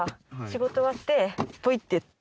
仕事終わってポイッて。